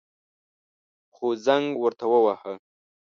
خو زنگ ورته وواهه.